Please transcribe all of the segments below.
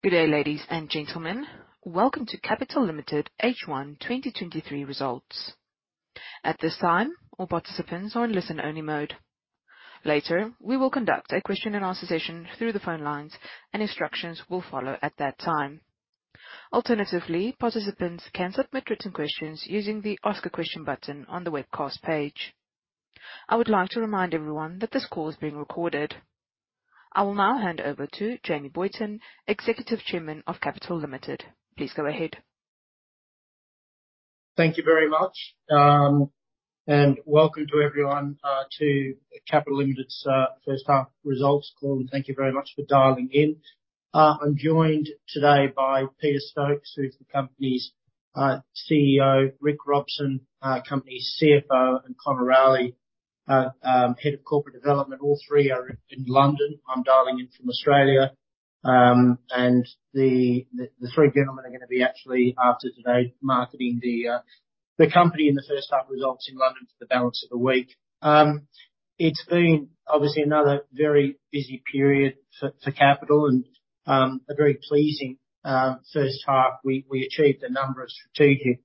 Good day, ladies and gentlemen. Welcome to Capital Limited H1 2023 Results. At this time, all participants are in listen-only mode. Later, we will conduct a question and answer session through the phone lines. Instructions will follow at that time. Alternatively, participants can submit written questions using the Ask a Question button on the webcast page. I would like to remind everyone that this call is being recorded. I will now hand over to Jamie Boyton, Executive Chairman of Capital Limited. Please go ahead. Thank you very much, and welcome to everyone to Capital Limited's First Half Results Call, and thank you very much for dialing in. I'm joined today by Peter Stokes, who's the company's CEO, Rick Robson, company's CFO, and Conor Rowley, Head of Corporate Development. All three are in London. I'm dialing in from Australia. The three gentlemen are gonna be actually, after today, marketing the company in the first half results in London for the balance of the week. It's been obviously another very busy period for Capital and a very pleasing first half. We, we achieved a number of strategic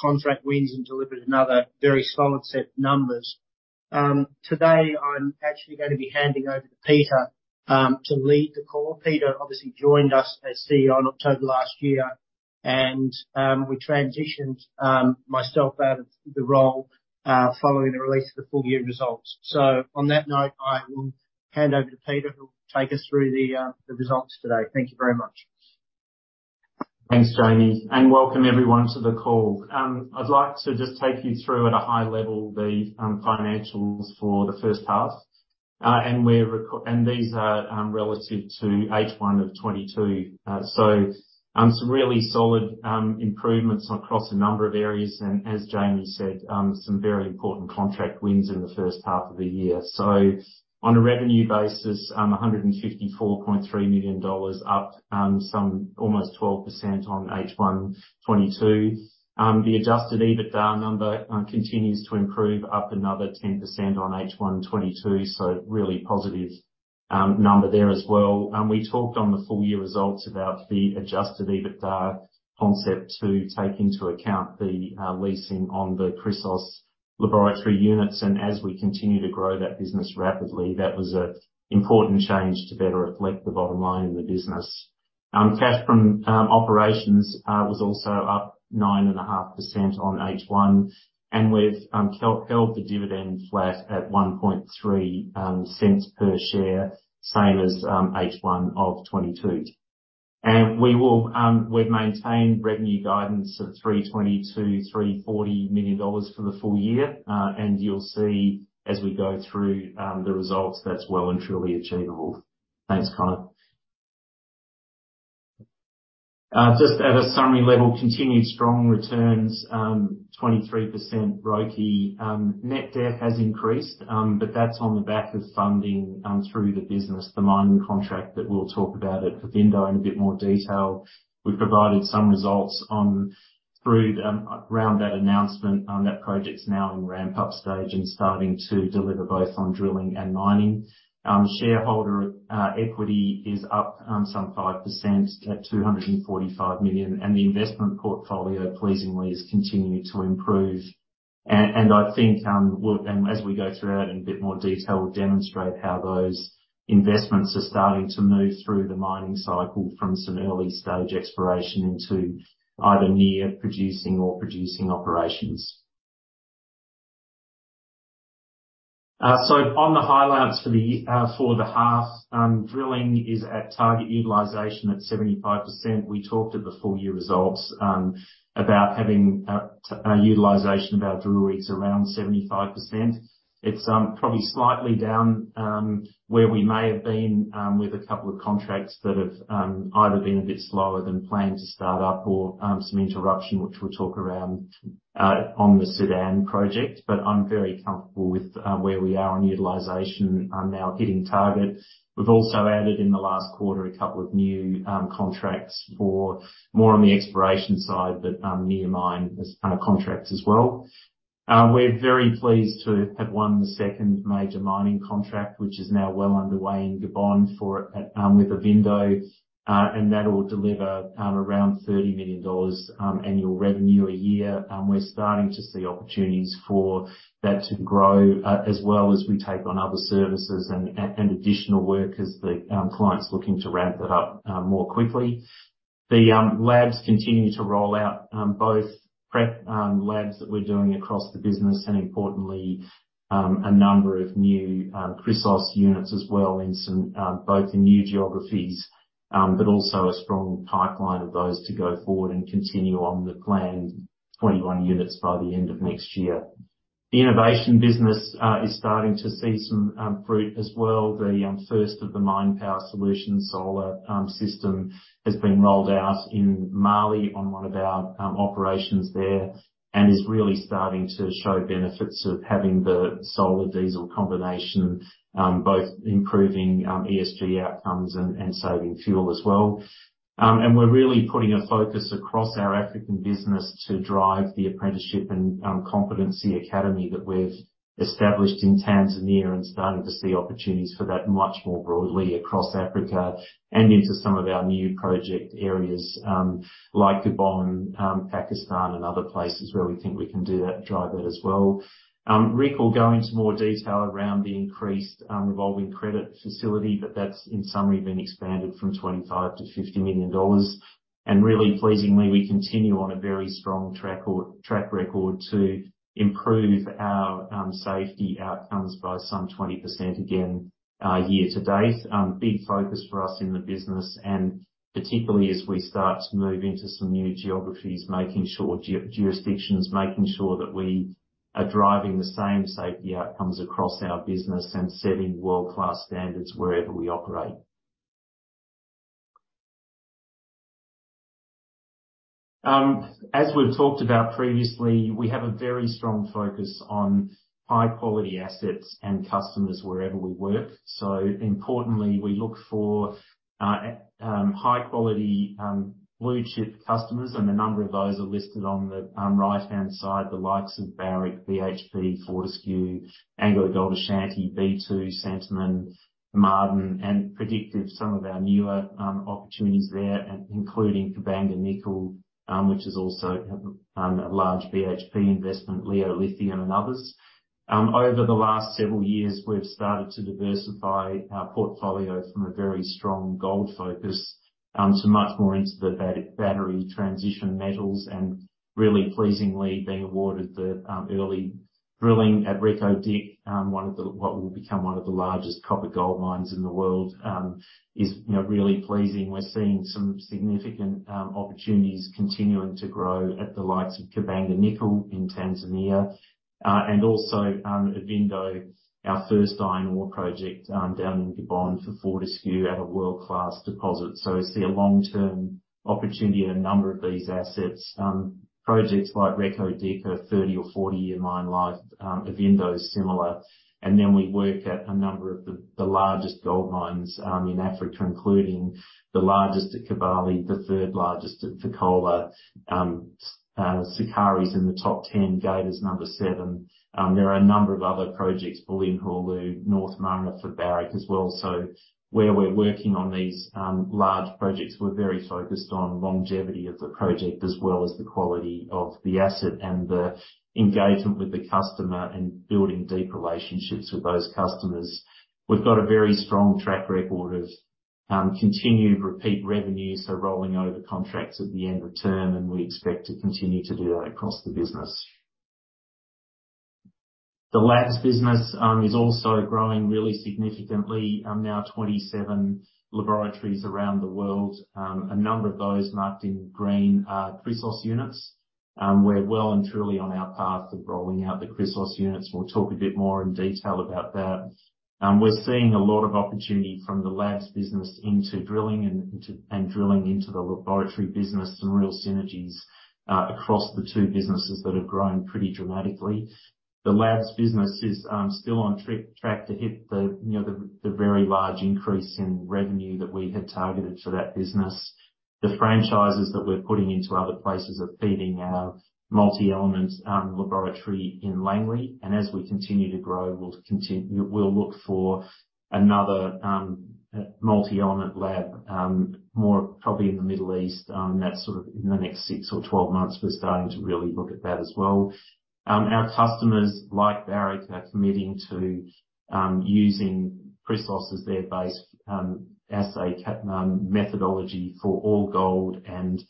contract wins and delivered another very solid set of numbers. Today, I'm actually going to be handing over to Peter to lead the call. Peter obviously joined us as CEO in October last year, we transitioned myself out of the role following the release of the full year results. On that note, I will hand over to Peter, who will take us through the results today. Thank you very much. Thanks, Jamie. Welcome everyone to the call. I'd like to just take you through, at a high level, the financials for the first half. These are relative to H1 2022. Some really solid improvements across a number of areas, and as Jamie said, some very important contract wins in the first half of the year. On a revenue basis, $154.3 million, up almost 12% on H1 2022. The adjusted EBITDA number continues to improve, up another 10% on H1 2022, really positive number there as well. We talked on the full year results about the adjusted EBITDA concept to take into account the leasing on the Chrysos laboratory units. As we continue to grow that business rapidly, that was an important change to better reflect the bottom line in the business. Cash from operations was also up 9.5% on H1, and we've held the dividend flat at $0.013 per share, same as H1 2022. We will... We've maintained revenue guidance of $320 million-$340 million for the full year. You'll see as we go through the results, that's well and truly achievable. Next slide. Just at a summary level, continued strong returns, 23% ROIC. Net debt has increased, but that's on the back of funding through the business, the mining contract that we'll talk about at Ivindo in a bit more detail. We've provided some results on, through, around that announcement. That project's now in ramp-up stage and starting to deliver both on drilling and mining. Shareholder equity is up, some 5% at $245 million, and the investment portfolio pleasingly is continuing to improve. I think, we'll, and as we go through that in a bit more detail, we'll demonstrate how those investments are starting to move through the mining cycle from some early stage exploration into either near producing or producing operations. On the highlights for the half, drilling is at target utilization at 75%. We talked at the full year results, about having a utilization of our drill rigs around 75%. It's probably slightly down where we may have been with a couple of contracts that have either been a bit slower than planned to start up or some interruption, which we'll talk around on the Sudan project. I'm very comfortable with where we are on utilization, now hitting target. We've also added, in the last quarter, a couple of new contracts for more on the exploration side, but near mine as contracts as well. We're very pleased to have won the second major mining contract, which is now well underway in Gabon for with Ivindo. That will deliver around $30 million annual revenue a year. We're starting to see opportunities for that to grow, as well as we take on other services and, and, additional workers, the clients looking to ramp it up more quickly. The labs continue to roll out both prep labs that we're doing across the business and importantly, a number of new Chrysos units as well in some both in new geographies, but also a strong pipeline of those to go forward and continue on the planned 21 units by the end of next year. The innovation business is starting to see some fruit as well. The first of the Mine Power Solutions solar system has been rolled out in Mali, on one of our operations there, and is really starting to show benefits of having the solar diesel combination. Both improving ESG outcomes and, and saving fuel as well. We're really putting a focus across our African business to drive the Apprenticeship and Competency Academy established in Tanzania and starting to see opportunities for that much more broadly across Africa and into some of our new project areas, like Gabon, Pakistan, and other places where we think we can do that, drive that as well. Rick will go into more detail around the increased revolving credit facility. That's in summary, been expanded from $25-$50 million. Really pleasingly, we continue on a very strong track record to improve our safety outcomes by some 20% again year to date. Big focus for us in the business, and particularly as we start to move into some new geographies, making sure jurisdictions, making sure that we are driving the same safety outcomes across our business and setting world-class standards wherever we operate. As we've talked about previously, we have a very strong focus on high quality assets and customers wherever we work. Importantly, we look for high quality blue chip customers, and a number of those are listed on the right-hand side. The likes of Barrick, BHP, Fortescue, AngloGold Ashanti, B2Gold, Centamin, Maaden, and Predictive some of our newer opportunities there, including Kabanga Nickel, which is also a large BHP investment, Leo Lithium, and others. Over the last several years, we've started to diversify our portfolio from a very strong gold focus, so much more into the battery transition metals, really pleasingly, being awarded the early drilling at Reko Diq. What will become one of the largest copper gold mines in the world, is, you know, really pleasing. We're seeing some significant opportunities continuing to grow at the likes of Kabanga Nickel in Tanzania. Also, Ivindo, our first iron ore project, down in Gabon for Fortescue at a world-class deposit. We see a long-term opportunity in a number of these assets. Projects like Reko Diq, a 30 or 40-year mine life, Ivindo is similar. We work at a number of the, the largest gold mines in Africa, including the largest at Kibali, the third largest at Fekola. Sukari is in the top 10, Geita is number seven. There are a number of other projects, Bulyanhulu, North Mara for Barrick as well. Where we're working on these large projects, we're very focused on longevity of the project, as well as the quality of the asset and the engagement with the customer, and building deep relationships with those customers. We've got a very strong track record of continued repeat revenue, so rolling over contracts at the end of term, and we expect to continue to do that across the business. The labs business is also growing really significantly, now 27 laboratories around the world. A number of those marked in green are Chrysos units. We're well and truly on our path of rolling out the Chrysos units. We'll talk a bit more in detail about that. We're seeing a lot of opportunity from the labs business into drilling and drilling into the laboratory business, some real synergies across the two businesses that have grown pretty dramatically. The labs business is still on track to hit the, you know, the very large increase in revenue that we had targeted for that business. The franchises that we're putting into other places are feeding our multi-element laboratory in Langley. As we continue to grow, we'll look for another multi-element lab, more probably in the Middle East. That's sort of in the next 6 or 12 months, we're starting to really look at that as well. Our customers, like Barrick, are committing to using Chrysos as their base assay methodology for all gold and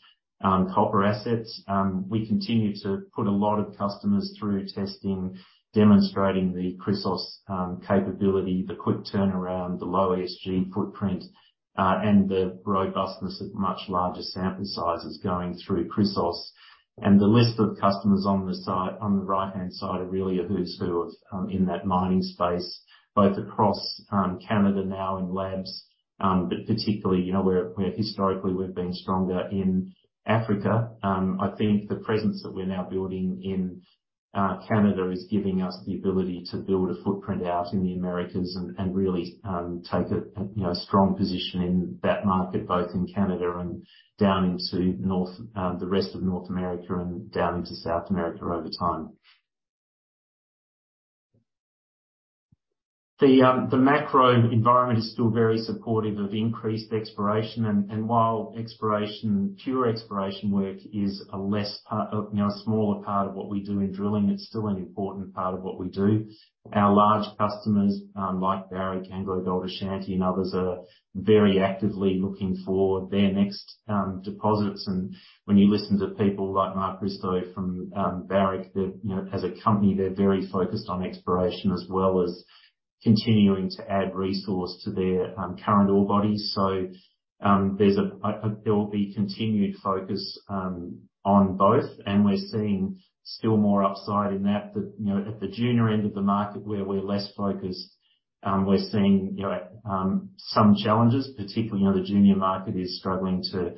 copper assets. We continue to put a lot of customers through testing, demonstrating the Chrysos capability, the quick turnaround, the low ESG footprint, and the robustness of much larger sample sizes going through Chrysos. The list of customers on the side, on the right-hand side, are really a who's who of in that mining space, both across Canada, now in labs, but particularly, you know, where, where historically we've been stronger in Africa. I think the presence that we're now building in Canada is giving us the ability to build a footprint out in the Americas and really take a, you know, a strong position in that market, both in Canada and down into North, the rest of North America, and down into South America over time. The macro environment is still very supportive of increased exploration, and while exploration, pure exploration work is a less part of, you know, a smaller part of what we do in drilling, it's still an important part of what we do. Our large customers, like Barrick, AngloGold Ashanti, and others, are very actively looking for their next deposits. When you listen to people like Mark Bristow from Barrick, that, you know, as a company, they're very focused on exploration, as well as continuing to add resource to their They're ore bodies. There will be continued focus on both, and we're seeing still more upside in that. The, you know, at the junior end of the market where we're less focused, we're seeing, you know, some challenges particularly, you know, the junior market is struggling to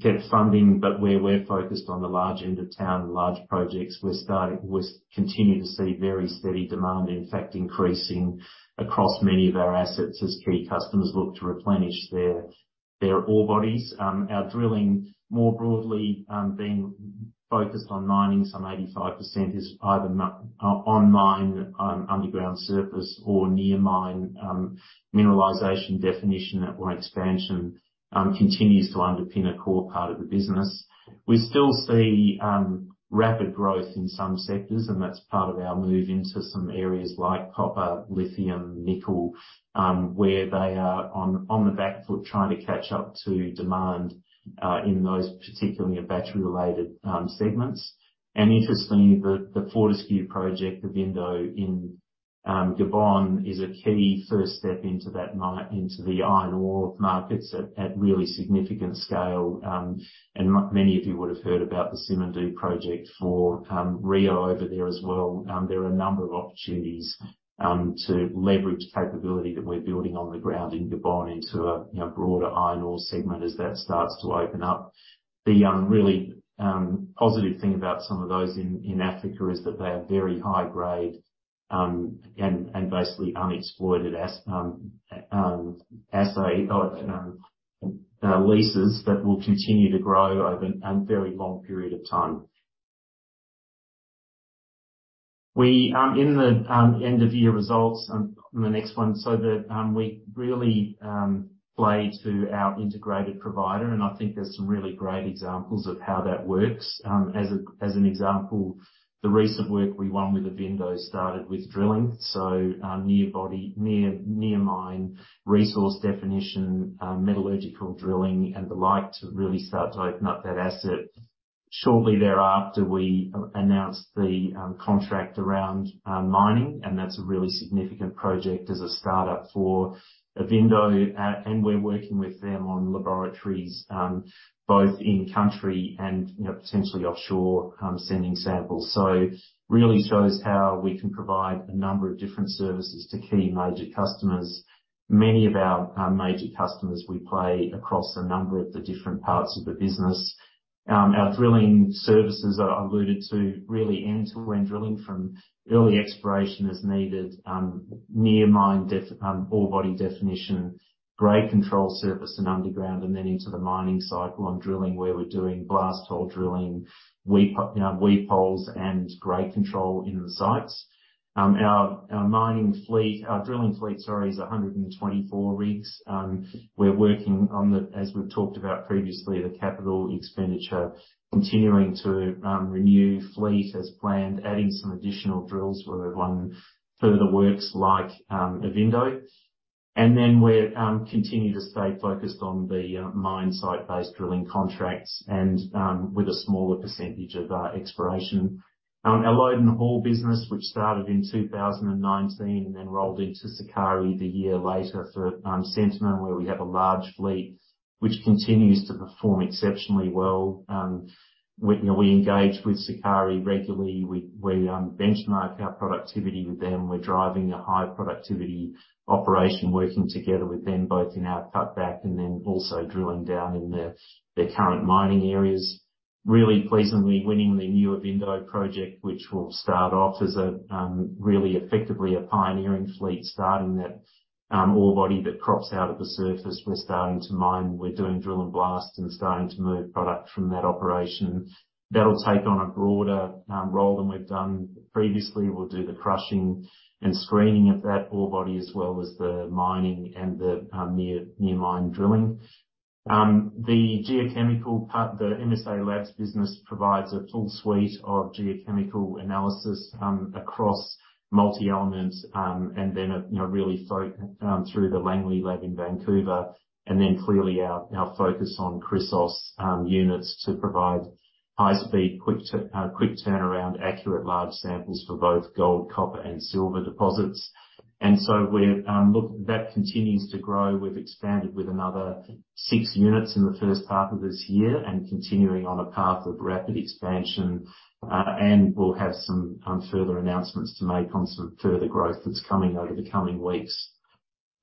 get funding. Where we're focused on the large end of town, large projects, we're continuing to see very steady demand, in fact, increasing across many of our assets as key customers look to replenish their They're ore bodies. Our drilling more broadly, being focused on mining, some 85% is either on mine, underground surface or near mine, mineralization definition or expansion, continues to underpin a core part of the business. We still see rapid growth in some sectors, that's part of our move into some areas like copper, lithium, nickel, where they are on, on the back foot, trying to catch up to demand in those particularly battery-related segments. Interestingly, the, the Fortescue project, Ivindo in Gabon, is a key first step into that mine into the iron ore markets at, at really significant scale. Many of you would have heard about the Simandou project for Rio over there as well. There are a number of opportunities to leverage capability that we're building on the ground in Gabon into a, you know, broader iron ore segment as that starts to open up. The really positive thing about some of those in Africa is that they are very high grade and basically unexploited as assay... Oh, leases that will continue to grow over a very long period of time. We in the end of year results on the next one, so that we really play to our integrated provider, and I think there's some really great examples of how that works. As an example, the recent work we won with Ivindo Iron started with drilling, so, near body, near, near mine, resource definition, metallurgical drilling and the like to really start to open up that asset. Shortly thereafter, we announced the contract around mining, and that's a really significant project as a startup for Ivindo Iron. We're working with them on laboratories, both in country and, you know, potentially offshore, sending samples. Really shows how we can provide a number of different services to key major customers. Many of our major customers, we play across a number of the different parts of the business. Our drilling services are alluded to really end to end drilling from early exploration as needed, near mine definition, orebody definition, grade control surface and underground, and then into the mining cycle on drilling, where we're doing blast hole drilling, you know, weep holes and grade control in the sites. Our, our mining fleet, our drilling fleet, sorry, is 124 rigs. We're working on the, as we've talked about previously, the Capital expenditure, continuing to renew fleet as planned, adding some additional drills where we've won further works like Ivindo. Then we're continue to stay focused on the mine site-based drilling contracts and with a smaller percentage of our exploration. Our load and haul business, which started in 2019, and then rolled into Sukari the year later for Centamin, where we have a large fleet, which continues to perform exceptionally well. We, you know, we engage with Sukari regularly. We, we benchmark our productivity with them. We're driving a high productivity operation, working together with them, both in our cutback and then also drilling down in their current mining areas. Really pleasantly winning the new Ivindo project, which will start off as a really effectively a pioneering fleet, starting that ore body that crops out at the surface we're starting to mine. We're doing drill and blast, and starting to move product from that operation. That'll take on a broader role than we've done previously. We'll do the crushing and screening of that ore body, as well as the mining and the near mine drilling. The MSALABS business provides a full suite of geochemical analysis across multi-elements, and then a, you know, really through the Langley lab in Vancouver. Then clearly our, our focus on Chrysos units to provide high speed, quick turnaround, accurate large samples for both gold, copper, and silver deposits. So we're, look, that continues to grow. We've expanded with another 6 units in the first half of this year, and continuing on a path of rapid expansion. We'll have some further announcements to make on some further growth that's coming over the coming weeks.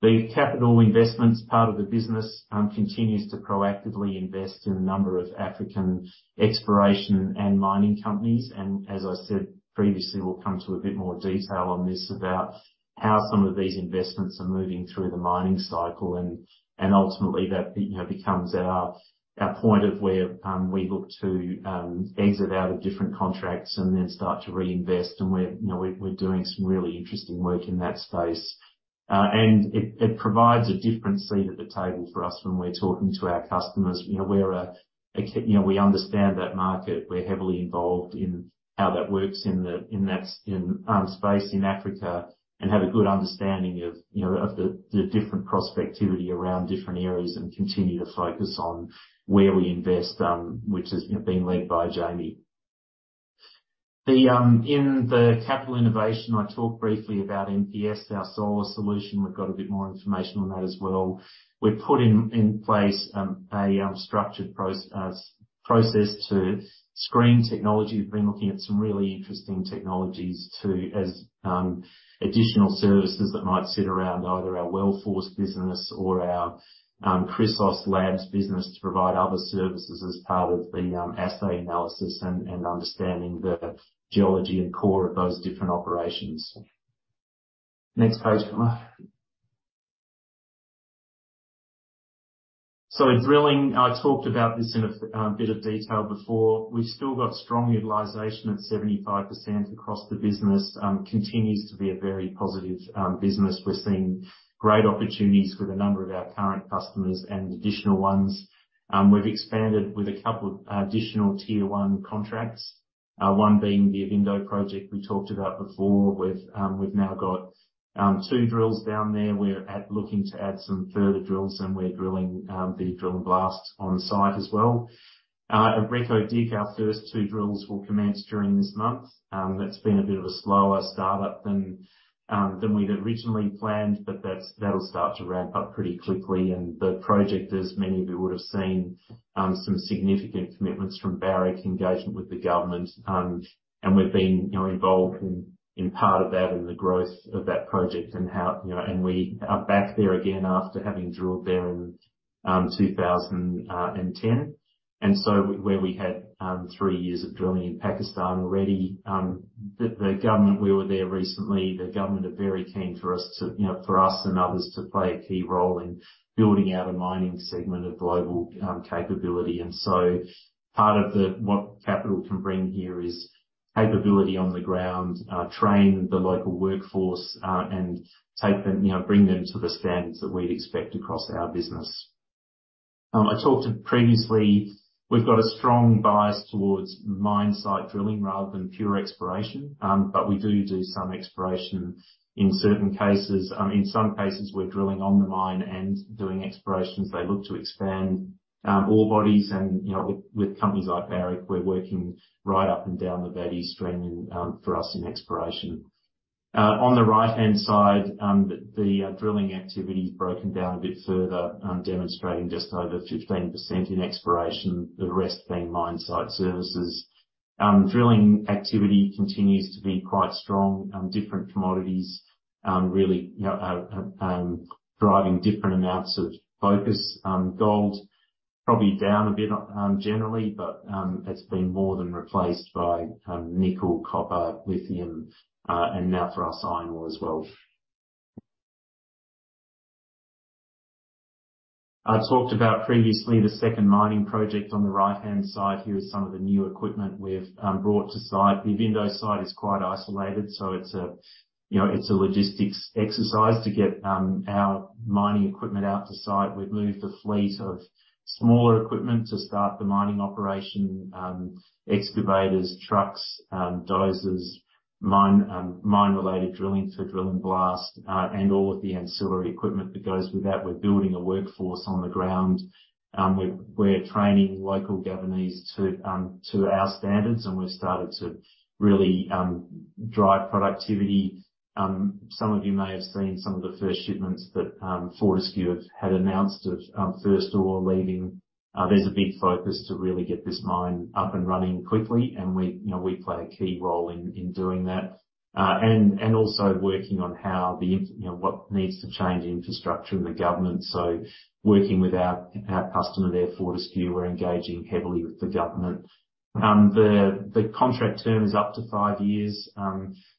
The capital investments part of the business, continues to proactively invest in a number of African exploration and mining companies. As I said previously, we'll come to a bit more detail on this, about how some of these investments are moving through the mining cycle, and, and ultimately that, you know, becomes our, our point of where we look to exit out of different contracts and then start to reinvest. We're, you know, we're, we're doing some really interesting work in that space. It, it provides a different seat at the table for us when we're talking to our customers. You know, we're, You know, we understand that market. We're heavily involved in how that works in the, in that space in Africa, and have a good understanding of, you know, of the different prospectivity around different areas, and continue to focus on where we invest, which is, you know, being led by Jamie. In the Capital innovation, I talked briefly about MPS, our solar solution. We've got a bit more information on that as well. We've put in place a structured process to screen technology. We've been looking at some really interesting technologies as additional services that might sit around either our WellForce business or our Chrysos labs business, to provide other services as part of the assay analysis and understanding the geology and core of those different operations. Next page, please. Drilling, I talked about this in a bit of detail before. We've still got strong utilization at 75% across the business, continues to be a very positive business. We're seeing great opportunities with a number of our current customers and additional ones. We've expanded with a couple of additional tier one contracts. One being the Ivindo project we talked about before. We've, we've now got two drills down there. We're looking to add some further drills, and we're drilling the drill and blast on site as well. At Reko Diq, our first 2 drills will commence during this month. That's been a bit of a slower startup than we'd originally planned, but that'll start to ramp up pretty quickly. The project, as many of you would have seen, some significant commitments from Barrick engagement with the government. We've been, you know, involved in, in part of that and the growth of that project and how. You know, we are back there again after having drilled there in 2010. Where we had three years of drilling in Pakistan already. We were there recently, the government are very keen for us to, you know, for us and others to play a key role in building out a mining segment of global capability. Part of the, what Capital can bring here is capability on the ground, train the local workforce, and take them, you know, bring them to the standards that we'd expect across our business. I talked previously, we've got a strong bias towards mine site drilling rather than pure exploration. We do do some exploration in certain cases. In some cases, we're drilling on the mine and doing explorations. They look to expand, all bodies and, you know, with, with companies like Barrick, we're working right up and down the value stream and, for us in exploration. On the right-hand side, the drilling activity is broken down a bit further, demonstrating just over 15% in exploration, the rest being mine site services. Drilling activity continues to be quite strong. Different commodities, really, you know, are driving different amounts of focus. Gold probably down a bit generally, but it's been more than replaced by nickel, copper, lithium, and now for our iron ore as well. I talked about previously, the second mining project on the right-hand side, here is some of the new equipment we've brought to site. The Ivindo site is quite isolated, it's a, you know, it's a logistics exercise to get our mining equipment out to site. We've moved a fleet of smaller equipment to start the mining operation. Excavators, trucks, dozers, mine, mine-related drilling to drill and blast, and all of the ancillary equipment that goes with that. We're building a workforce on the ground. We're, we're training local Gabonese to to our standards, and we've started to really drive productivity. Some of you may have seen some of the first shipments that Fortescue have had announced of first ore leaving. There's a big focus to really get this mine up and running quickly, and we, you know, we play a key role in doing that. Also working on how the, you know, what needs to change the infrastructure and the government. Working with our, our customer there, Fortescue, we're engaging heavily with the government. The contract term is up to five years,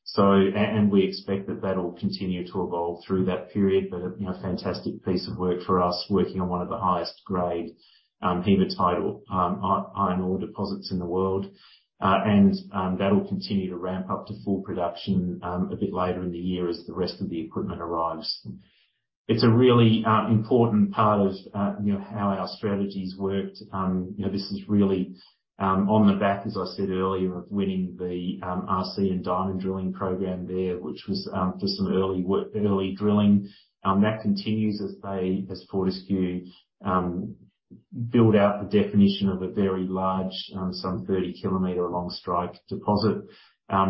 so, and we expect that that will continue to evolve through that period. You know, a fantastic piece of work for us, working on one of the highest grade hematite iron ore deposits in the world. That'll continue to ramp up to full production a bit later in the year as the rest of the equipment arrives. It's a really important part of, you know, how our strategy's worked. You know, this is really on the back, as I said earlier, of winning the RC and diamond drilling program there, which was just some early drilling. That continues as they, as Fortescue, build out the definition of a very large, some 30 kilometer long strike deposit.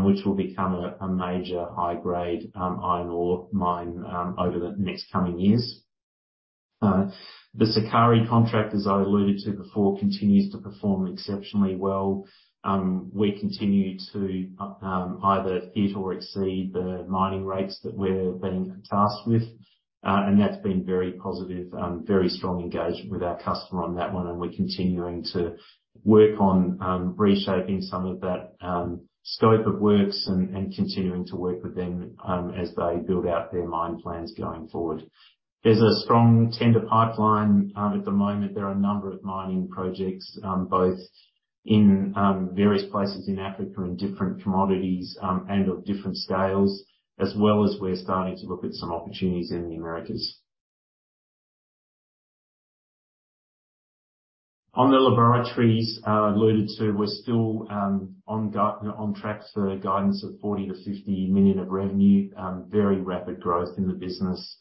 Which will become a major high-grade iron ore mine over the next coming years. The Sukari contract, as I alluded to before, continues to perform exceptionally well. We continue to either hit or exceed the mining rates that we're being tasked with. That's been very positive, very strong engagement with our customer on that one, and we're continuing to work on reshaping some of that scope of works and continuing to work with them as they build out their mine plans going forward. There's a strong tender pipeline. At the moment, there are a number of mining projects, both in various places in Africa, in different commodities, and of different scales, as well as we're starting to look at some opportunities in the Americas. On the laboratories, I alluded to, we're still on track for guidance of $40 million-$50 million of revenue. Very rapid growth in the business.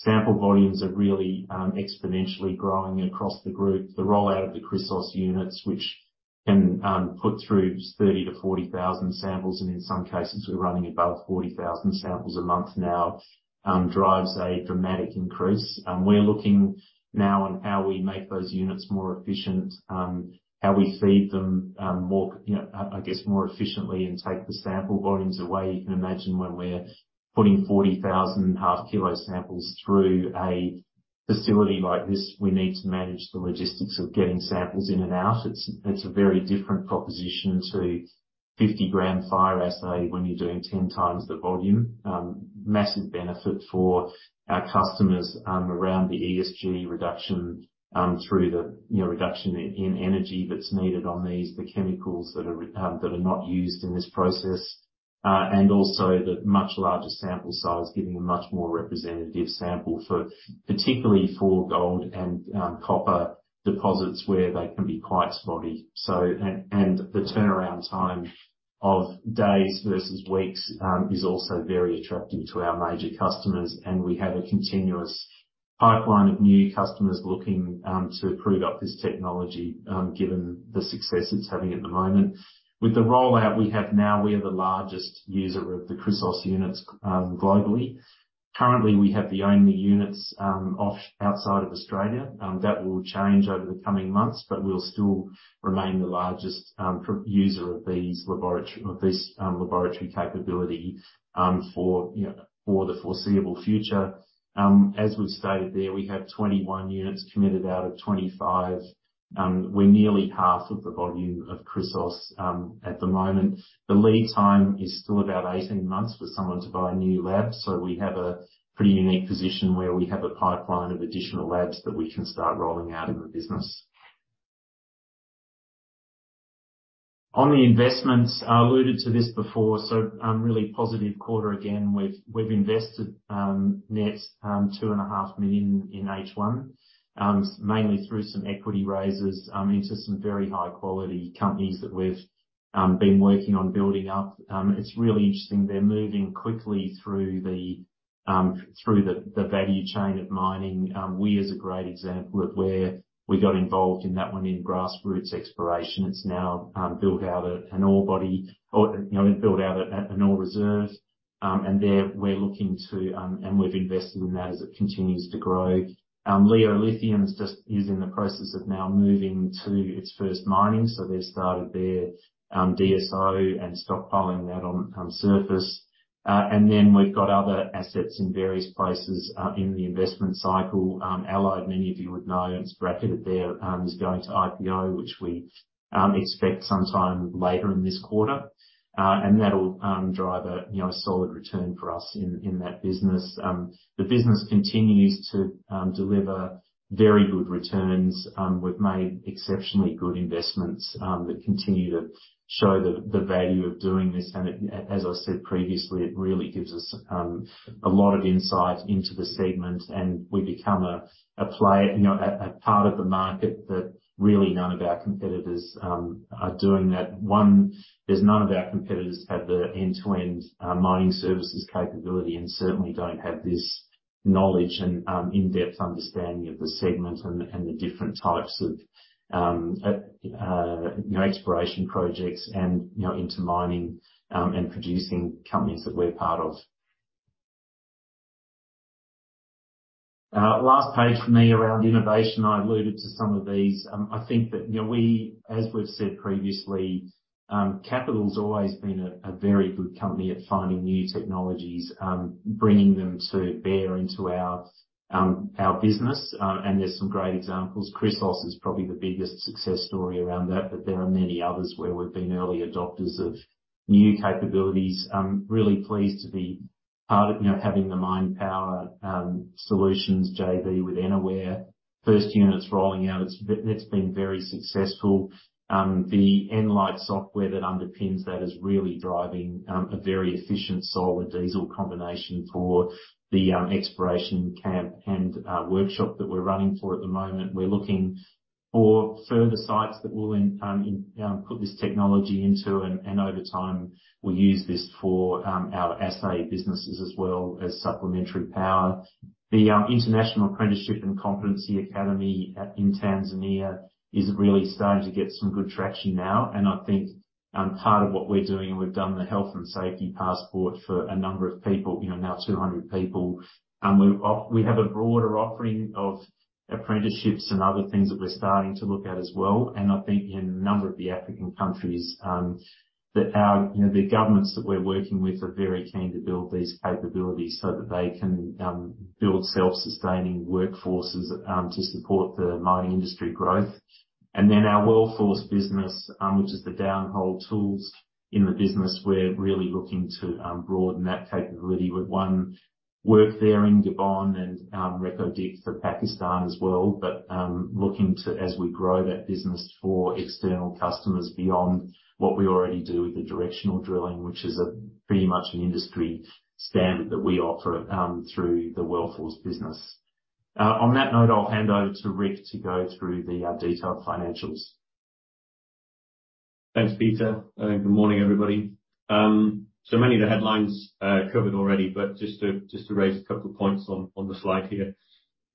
Sample volumes are really exponentially growing across the group. The rollout of the Chrysos units, which can put through 30,000-40,000 samples, and in some cases, we're running above 40,000 samples a month now, drives a dramatic increase. We're looking now on how we make those units more efficient, how we feed them more, you know, I, I guess, more efficiently and take the sample volumes away. You can imagine when we're putting 40,000 half kilo samples through a facility like this, we need to manage the logistics of getting samples in and out. It's a very different proposition to 50-gram fire assay when you're doing 10 times the volume. Massive benefit for our customers around the ESG reduction through the, you know, reduction in energy that's needed on these, the chemicals that are not used in this process. Also the much larger sample size, giving a much more representative sample particularly for gold and copper deposits, where they can be quite spotty. So, and, and the turnaround time of days versus weeks, is also very attractive to our major customers, and we have a continuous pipeline of new customers looking to prove up this technology, given the success it's having at the moment. With the rollout we have now, we are the largest user of the Chrysos units globally. Currently, we have the only units off outside of Australia. That will change over the coming months, but we'll still remain the largest pro- user of these laboratory, of this laboratory capability, for, you know, for the foreseeable future. As we've stated there, we have 21 units committed out of 25. We're nearly half of the volume of Chrysos at the moment. The lead time is still about 18 months for someone to buy a new lab. We have a pretty unique position where we have a pipeline of additional labs that we can start rolling out in the business. On the investments, I alluded to this before, so really positive quarter again. We've, we've invested net $2.5 million in H1. Mainly through some equity raises into some very high quality companies that we've been working on building up. It's really interesting, they're moving quickly through the through the the value chain of mining. Wia is a great example of where we got involved in that one in grassroots exploration. It's now built out at an ore body or, you know, built out at an ore reserve. There we're looking to, and we've invested in that as it continues to grow. Leo Lithium's just is in the process of now moving to its first mining, they've started their DSO and stockpiling that on surface. We've got other assets in various places in the investment cycle. Allied, many of you would know, it's bracketed there, is going to IPO, which we expect sometime later in this quarter. That'll drive a, you know, a solid return for us in, in that business. The business continues to deliver very good returns. We've made exceptionally good investments that continue to show the, the value of doing this. It, as I said previously, it really gives us a lot of insight into the segment, and we become a, a player, you know, a, a part of the market that really none of our competitors are doing that. One, there's none of our competitors have the end-to-end mining services capability, and certainly don't have this knowledge and in-depth understanding of the segment and the, and the different types of, you know, exploration projects and, you know, into mining and producing companies that we're part of. Last page for me around innovation. I alluded to some of these. I think that, you know, we, as we've said previously, Capital's always been a, a very good company at finding new technologies. Bringing them to bear into our business. There's some great examples. Chrysos is probably the biggest success story around that, but there are many others where we've been early adopters of new capabilities. I'm really pleased to be part of having the Mine Power Solutions JV with Enerwhere. First unit's rolling out, it's been very successful. The nLight software that underpins that is really driving a very efficient solar diesel combination for the exploration camp and workshop that we're running for at the moment. We're looking for further sites that we'll then put this technology into and, over time, we use this for our assay businesses as well as supplementary power. The International Apprenticeship and Competency Academy at, in Tanzania is really starting to get some good traction now, and I think part of what we're doing, and we've done the health and safety passport for a number of people, you know, now 200 people. We have a broader offering of apprenticeships and other things that we're starting to look at as well. I think in a number of the African countries that our, you know, the governments that we're working with are very keen to build these capabilities so that they can build self-sustaining workforces to support the mining industry growth. Our WellForce business, which is the downhole tools in the business, we're really looking to broaden that capability with one work there in Gabon and Reko Diq for Pakistan as well. Looking to, as we grow that business for external customers beyond what we already do with the directional drilling, which is a pretty much an industry standard that we offer, through the WellForce business. On that note, I'll hand over to Rick to go through the detailed financials. Thanks, Peter. Good morning, everybody. Many of the headlines are covered already, but just to raise a couple of points on the slide here.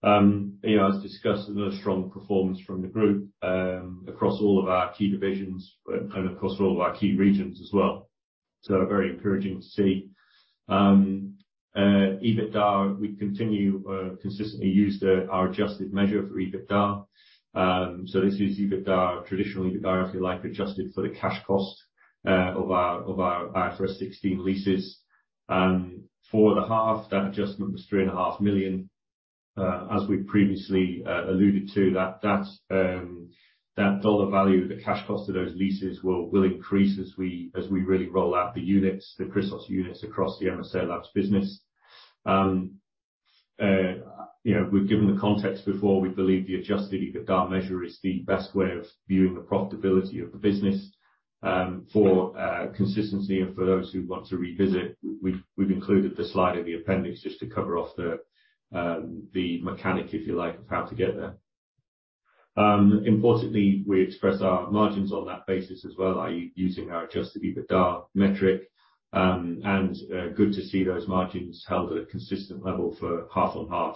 You know, as discussed, another strong performance from the group across all of our key divisions and across all of our key regions as well. Very encouraging to see. EBITDA, we continue consistently use the, our adjusted measure for EBITDA. This is EBITDA, traditional EBITDA, if you like, adjusted for the cash cost of our, of our, IFRS 16 leases. For the half, that adjustment was $3.5 million. As we previously alluded to, that, that dollar value, the cash cost of those leases will increase as we really roll out the units, the Chrysos units across the MSA Labs business. You know, we've given the context before. We believe the adjusted EBITDA measure is the best way of viewing the profitability of the business. For consistency and for those who want to revisit, we've, we've included the slide in the appendix just to cover off the mechanic, if you like, of how to get there. Importantly, we express our margins on that basis as well, i.e., using our adjusted EBITDA metric. Good to see those margins held at a consistent level for half on half.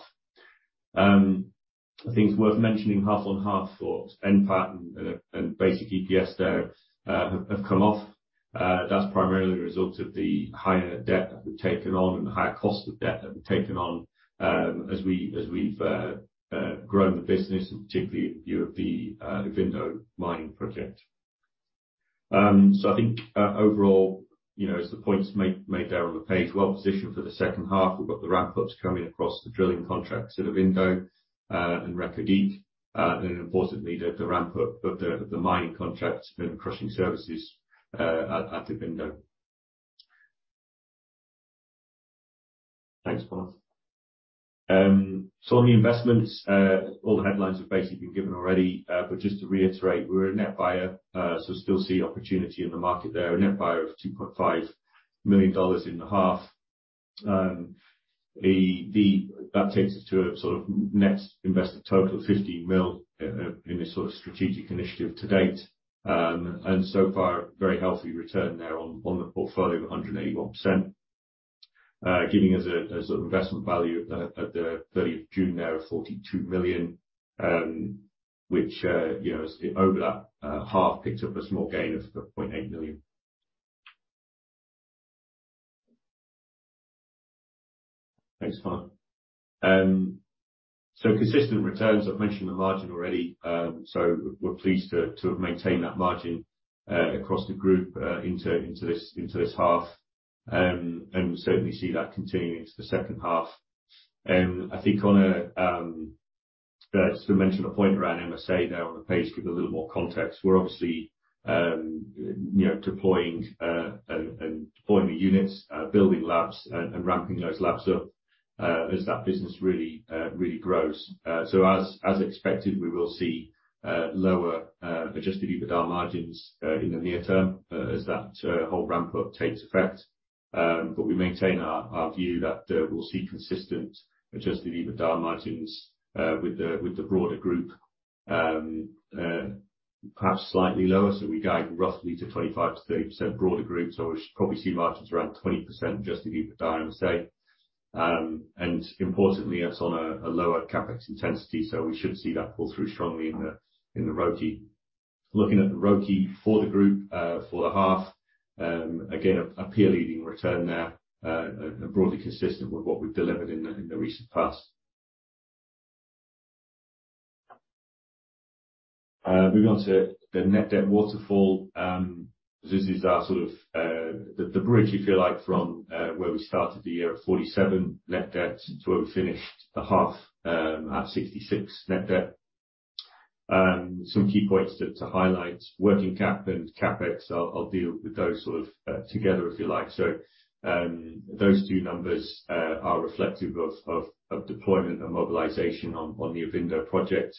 I think it's worth mentioning, half on half for NPAT and basic EPS there, have, have come off. That's primarily a result of the higher debt that we've taken on and the higher cost of debt that we've taken on, as we, as we've grown the business, and particularly in view of the Ivindo mining project. I think, overall, you know, as the points made, made there on the page, well positioned for the second half. We've got the ramp-ups coming across the drilling contract at Ivindo, and Reko Diq, and importantly, the, the ramp-up of the, the mining contract and crushing services, at, at Ivindo. Next slide. On the investments, all the headlines have basically been given already. Just to reiterate, we're a net buyer, still see opportunity in the market there. A net buyer of $2.5 million in the half. That takes us to a net invested total of $15 million in this strategic initiative to date. So far, a very healthy return there on the portfolio, 181%. Giving us an investment value at the 30th of June there of $42 million, which over that half, picked up a small gain of $2.8 million. Next slide. So consistent returns, I've mentioned the margin already. So we're pleased to have maintained that margin across the group into this into this half. We certainly see that continuing into the second half. I think on a, just to mention a point around MSA, now on the page, with a little more context, we're obviously, you know, deploying, deploying the units, building labs and ramping those labs up, as that business really, really grows. As, as expected, we will see lower adjusted EBITDA margins in the near term, as that whole ramp-up takes effect. We maintain our view that we'll see consistent adjusted EBITDA margins with the broader group. Perhaps slightly lower, we guide roughly to 25%-30% broader group. We should probably see margins around 20% adjusted EBITDA, MSA. Importantly, that's on a lower CapEx intensity, so we should see that pull through strongly in the ROCE. Looking at the ROCE for the group for the half, again, a peer-leading return there, broadly consistent with what we've delivered in the recent past. Moving on to the net debt waterfall. This is our sort of the bridge, if you like, from where we started the year at $47 million net debt to where we finished the half at $66 million net debt. Some key points to highlight: working cap and CapEx, I'll deal with those sort of together, if you like. Those two numbers are reflective of deployment and mobilization on the Ivindo project.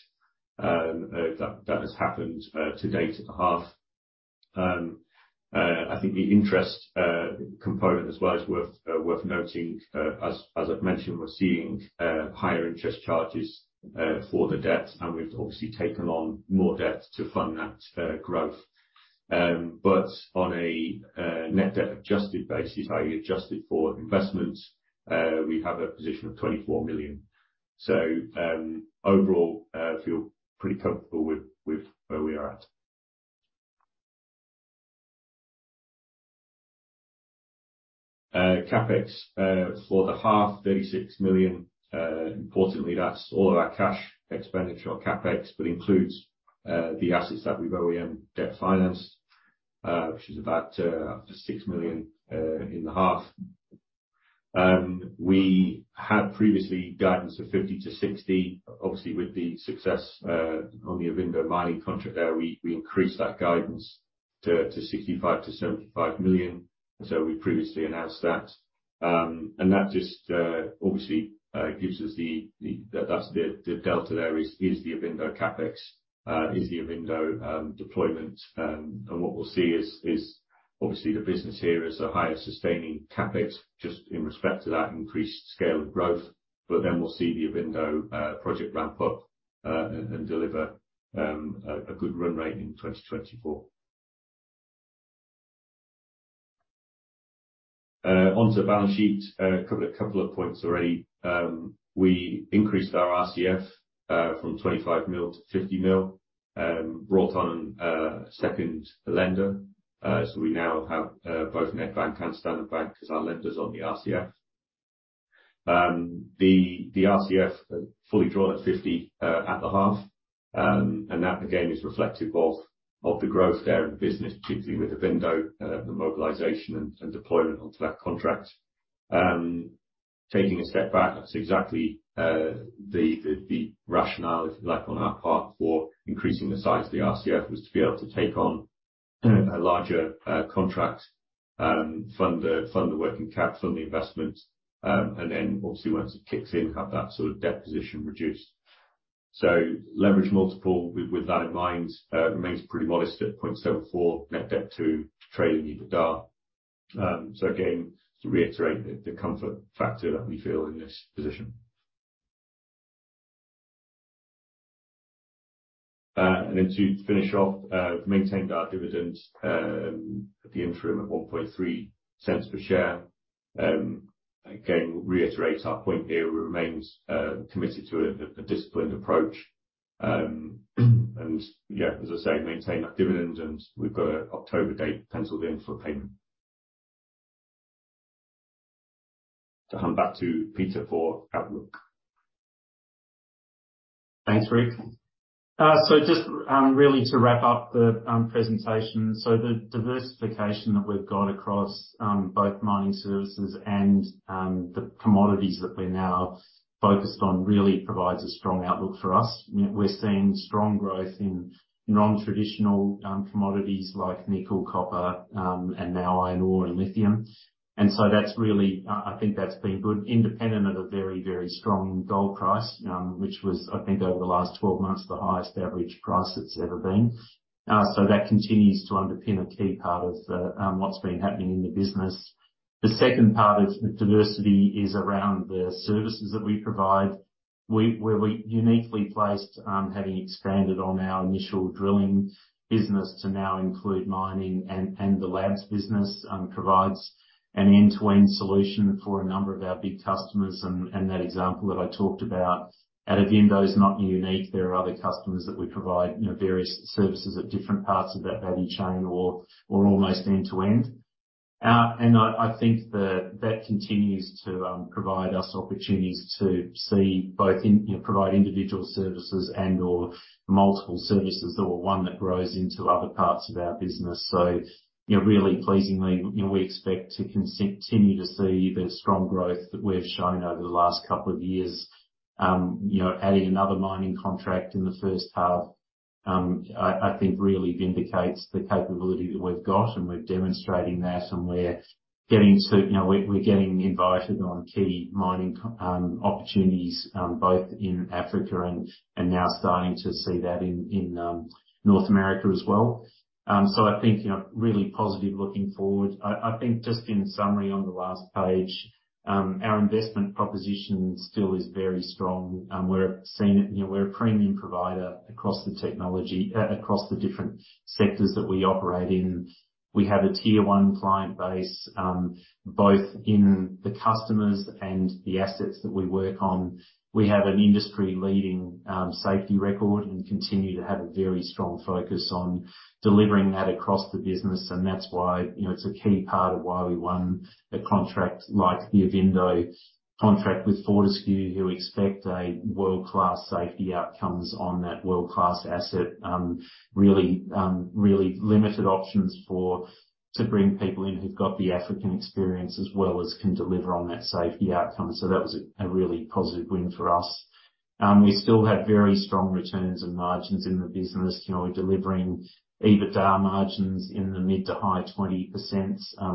That, that has happened to date in the half. I think the interest component as well is worth worth noting. As I've mentioned, we're seeing higher interest charges for the debt, and we've obviously taken on more debt to fund that growth. On a net debt adjusted basis, i.e., adjusted for investments, we have a position of $24 million. Overall, feel pretty comfortable with where we are at. CapEx, for the half, $36 million. Importantly, that's all of our cash expenditure on CapEx, but includes the assets that we've already debt-financed, which is about up to $6 million in the half. We had previously guidance of $50 million-$60 million. Obviously, with the success on the Ivindo mining contract there, we, we increased that guidance to $65 million-$75 million. We previously announced that. That just obviously gives us the, that's the, the delta there is, is the Ivindo CapEx, is the Ivindo deployment. What we'll see is, is obviously the business here is a higher sustaining CapEx, just in respect to that increased scale of growth. Then we'll see the Ivindo project ramp up and deliver a good run rate in 2024. Onto the balance sheet. A couple of, couple of points already. We increased our RCF from $25 million-$50 million. Brought on a second lender, so we now have both Nedbank and Standard Bank as our lenders on the RCF. The RCF fully drawn at $50 at the half. That, again, is reflective of the growth there in the business, particularly with Ivindo, the mobilization and deployment onto that contract. Taking a step back, that's exactly the rationale, if you like, on our part for increasing the size of the RCF, was to be able to take on a larger contract, fund the working cap, fund the investment. Then obviously once it kicks in, have that sort of debt position reduced. Leverage multiple with that in mind, remains pretty modest at 0.04, net debt to trading EBITDA. Again, to reiterate the, the comfort factor that we feel in this position. Then to finish off, we've maintained our dividend, at the interim at $0.013 per share. Again, reiterate our point here, remains committed to a, a disciplined approach. Yeah, as I say, maintain our dividend and we've got an October date penciled in for payment. To hand back to Peter for outlook. Thanks, Rick. Just really to wrap up the presentation. The diversification that we've got across both mining services and the commodities that we're now focused on, really provides a strong outlook for us. You know, we're seeing strong growth in non-traditional commodities like nickel, copper, and now iron ore and lithium. That's been good, independent of a very, very strong gold price, which was, I think, over the last 12 months, the highest average price it's ever been. That continues to underpin a key part of what's been happening in the business. The second part is diversity is around the services that we provide. Where we uniquely placed, having expanded on our initial drilling business to now include mining and the labs business, provides an end-to-end solution for a number of our big customers. That example that I talked about at Ivindo is not unique. There are other customers that we provide, you know, various services at different parts of that value chain or almost end to end. I think that that continues to provide us opportunities to see both provide individual services and/or multiple services, or one that grows into other parts of our business. You know, really pleasingly, you know, we expect to continue to see the strong growth that we've shown over the last couple of years. You know, adding another mining contract in the first half, I think really vindicates the capability that we've got, and we're demonstrating that, and we're getting to, you know, we're getting invited on key mining opportunities, both in Africa and now starting to see that in North America as well. I think, you know, really positive looking forward. I think just in summary on the last page, our investment proposition still is very strong. We're seeing it. You know, we're a premium provider across the technology, across the different sectors that we operate in. We have a tier one client base, both in the customers and the assets that we work on. We have an industry-leading safety record, and continue to have a very strong focus on delivering that across the business, and that's why, you know, it's a key part of why we won a contract like the Ivindo contract with Fortescue, who expect a world-class safety outcomes on that world-class asset. Really limited options to bring people in who've got the African experience, as well as can deliver on that safety outcome. That was a, a really positive win for us. We still have very strong returns and margins in the business. You know, we're delivering EBITDA margins in the mid to high 20%,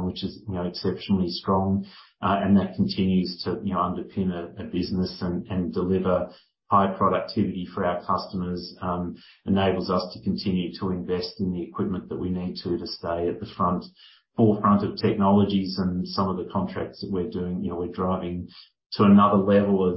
which is, you know, exceptionally strong. That continues to, you know, underpin a, a business and, and deliver high productivity for our customers. Enables us to continue to invest in the equipment that we need to, to stay at the forefront of technologies. Some of the contracts that we're doing, you know, we're driving to another level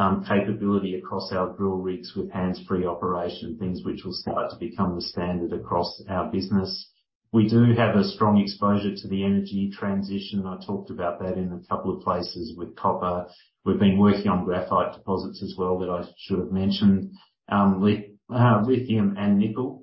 of capability across our drill rigs with hands-free operation, things which will start to become the standard across our business. We do have a strong exposure to the energy transition, I talked about that in a couple of places with copper. We've been working on graphite deposits as well, that I should have mentioned. Lithium and nickel.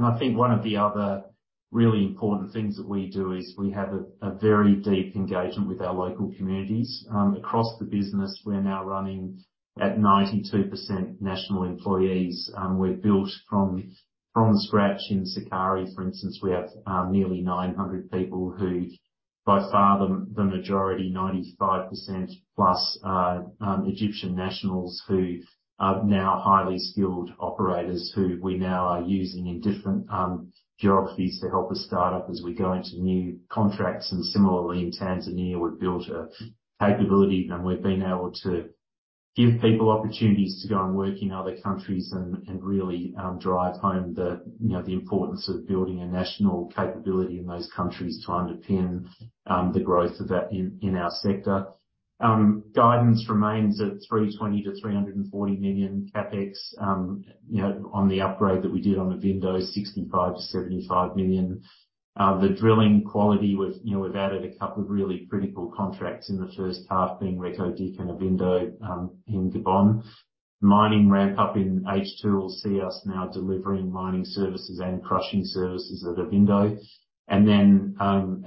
I think one of the other really important things that we do, is we have a, a very deep engagement with our local communities. Across the business, we're now running at 92% national employees. We're built from, from scratch in Sukari, for instance, we have nearly 900 people who, by far the, the majority, 95% plus Egyptian nationals, who are now highly skilled operators, who we now are using in different geographies to help us start up as we go into new contracts. Similarly, in Tanzania, we've built a capability, and we've been able to give people opportunities to go and work in other countries and, and really drive home the, you know, the importance of building a national capability in those countries to underpin the growth of that in, in our sector. Guidance remains at $320 million-$340 million CapEx. You know, on the upgrade that we did on Ivindo, $65 million-$75 million. The drilling quality was-- you know, we've added a couple of really critical contracts in the first half, being Reko Diq and Ivindo in Gabon. Mining ramp up in H2 will see us now delivering mining services and crushing services at Ivindo. Then,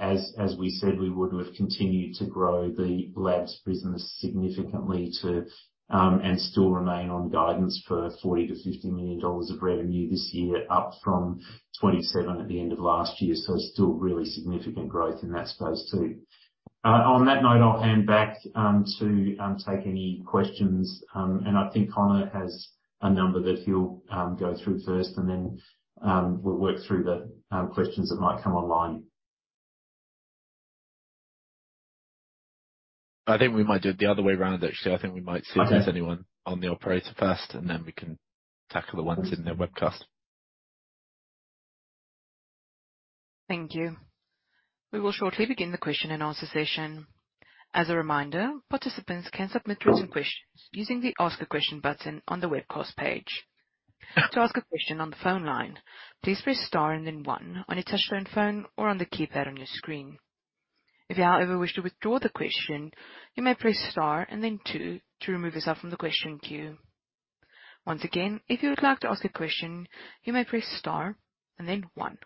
as, as we said, we would, we've continued to grow the labs business significantly to-- and still remain on guidance for $40 million-$50 million of revenue this year, up from $27 million at the end of last year. Still really significant growth in that space, too. On that note, I'll hand back to take any questions. I think Conor has a number that he'll go through first, then we'll work through the questions that might come online. I think we might do it the other way around, actually. I think we might. Okay. If there's anyone on the operator first, and then we can tackle the ones in the webcast. Thank you. We will shortly begin the question and answer session. As a reminder, participants can submit written questions using the Ask a Question button on the webcast page. To ask a question on the phone line, please press star and then one on your touch-tone phone or on the keypad on your screen. If you, however, wish to withdraw the question, you may press star and then two to remove yourself from the question queue. Once again, if you would like to ask a question, you may press star and then one.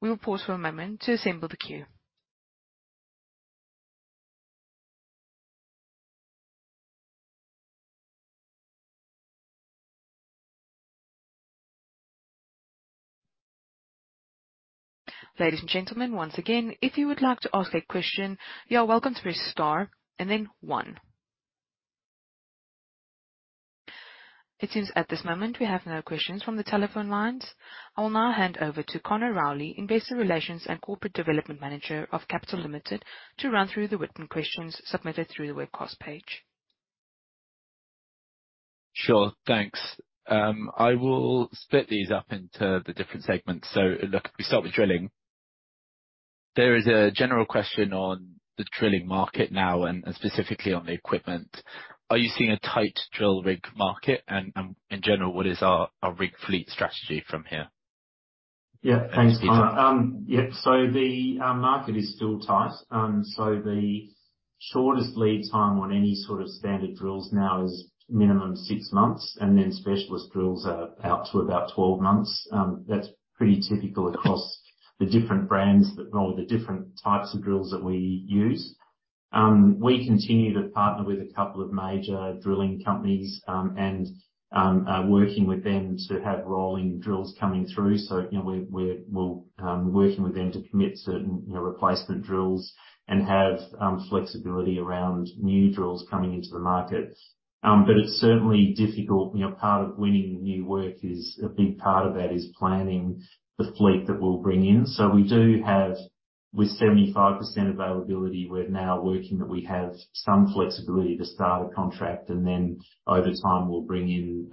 We will pause for a moment to assemble the queue. Ladies and gentlemen, once again, if you would like to ask a question, you are welcome to press star and then one. It seems at this moment we have no questions from the telephone lines. I will now hand over to Conor Rowley, Investor Relations and Corporate Development Manager of Capital Limited, to run through the written questions submitted through the webcast page. Sure. Thanks. I will split these up into the different segments. Look, if we start with drilling, there is a general question on the drilling market now and, and specifically on the equipment. Are you seeing a tight drill rig market? In general, what is our rig fleet strategy from here? Yeah. Thanks, Conor. Yeah. Yeah, the market is still tight. The shortest lead time on any sort of standard drills now is minimum 6 months, and then specialist drills are out to about 12 months. That's pretty typical across the different brands, well, the different types of drills that we use. We continue to partner with a couple of major drilling companies, and are working with them to have rolling drills coming through. You know, we, we're, we'll, working with them to commit certain, you know, replacement drills and have flexibility around new drills coming into the market. It's certainly difficult. You know, part of winning new work is, a big part of that is planning the fleet that we'll bring in. We do have, with 75% availability, we're now working that we have some flexibility to start a contract, and then over time, we'll bring in,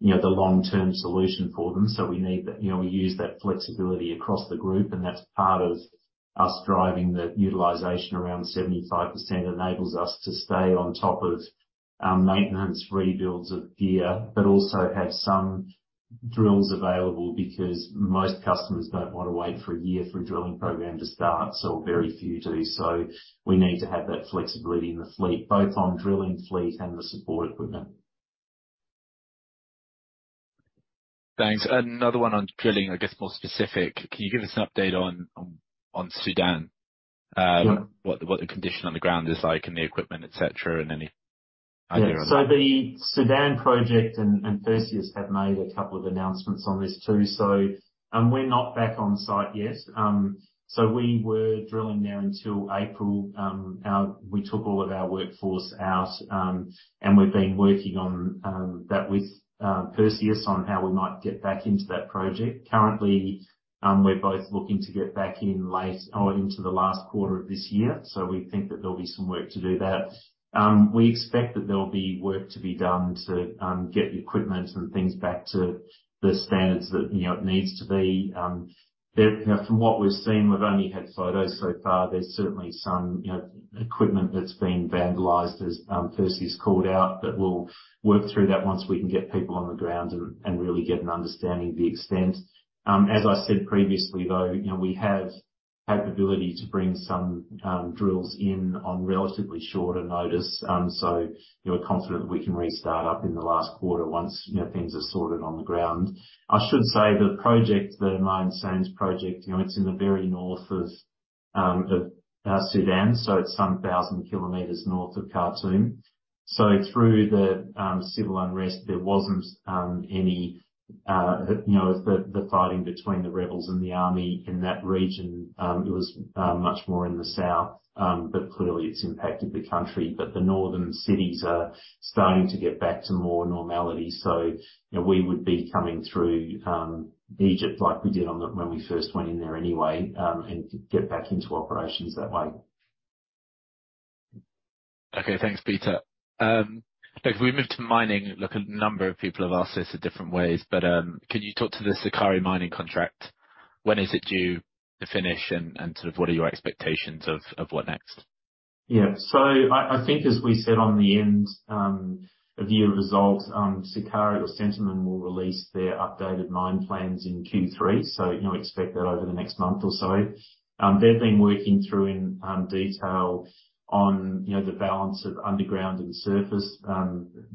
you know, the long-term solution for them. We need that... You know, we use that flexibility across the group, and that's part of us driving the utilization around 75% enables us to stay on top of maintenance, rebuilds of gear, but also have some drills available. Most customers don't want to wait for a year for a drilling program to start, so very few do. We need to have that flexibility in the fleet, both on drilling fleet and the support equipment. Thanks. Another one on drilling, I guess, more specific: Can you give us an update on Sudan? Yeah. What the condition on the ground is like, and the equipment, et cetera, and any idea on that? The Sudan project, and Perseus have made two announcements on this, too. We're not back on site yet. We were drilling there until April. We took all of our workforce out, and we've been working on that with Perseus on how we might get back into that project. Currently, we're both looking to get back into the last quarter of this year. We think that there'll be some work to do there. We expect that there'll be work to be done to get the equipment and things back to the standards that, you know, it needs to be. There, you know, from what we've seen, we've only had photos so far. There's certainly some, you know, equipment that's been vandalized, as Perseus called out. We'll work through that once we can get people on the ground and, and really get an understanding of the extent. As I said previously, though, you know, we have capability to bring some drills in on relatively shorter notice. We're confident we can restart up in the last quarter once, you know, things are sorted on the ground. I should say, the project, the Meyas Sand project, you know, it's in the very north of Sudan, so it's some 1,000 kilometers north of Khartoum. Through the civil unrest, there wasn't any, you know, the, the fighting between the rebels and the army in that region, it was much more in the south. Clearly it's impacted the country. The northern cities are starting to get back to more normality, so we would be coming through, Egypt like we did when we first went in there anyway, and get back into operations that way. Okay, thanks, Peter. Look, if we move to mining. Look, a number of people have asked this in different ways, but, can you talk to the Sukari mining contract? When is it due to finish, and, and sort of what are your expectations of, of what next? Yeah, so I, I think as we said on the end of the year results, Sukari or Centamin will release their updated mine plans in Q3. You know, expect that over the next month or so. They've been working through in detail on, you know, the balance of underground and surface.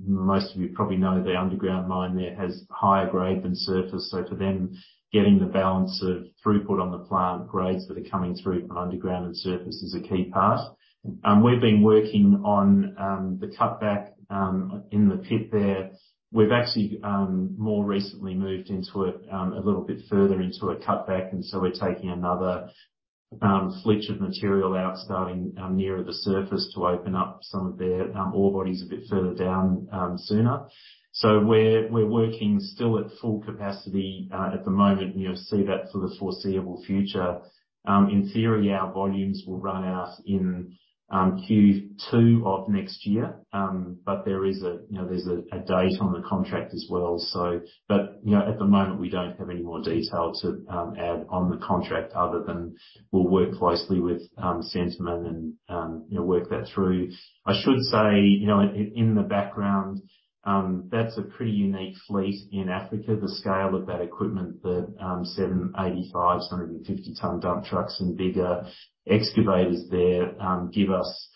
Most of you probably know their underground mine there has higher grade than surface. For them, getting the balance of throughput on the plant grades that are coming through from underground and surface is a key part. We've been working on the cutback in the pit there. We've actually, more recently moved into it, a little bit further into a cutback. So we're taking another flitch of material out, starting nearer the surface to open up some of their ore bodies a bit further down sooner. We're working still at full capacity at the moment, and you'll see that for the foreseeable future. In theory, our volumes will run out in Q2 of next year. There is a, you know, there's a, a date on the contract as well, so. You know, at the moment, we don't have any more detail to add on the contract, other than we'll work closely with Centamin and, you know, work that through. I should say, you know, in the background, that's a pretty unique fleet in Africa. The scale of that equipment, the 785s, 150 ton dump trucks and bigger excavators there, give us,